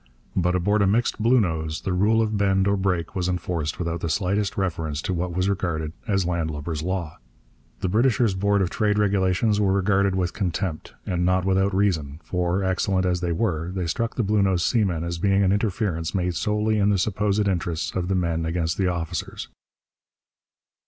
But aboard a mixed Bluenose the rule of bend or break was enforced without the slightest reference to what was regarded as landlubber's law. The Britisher's Board of Trade regulations were regarded with contempt; and not without reason; for, excellent as they were, they struck the Bluenose seamen as being an interference made solely in the supposed interests of the men against the officers.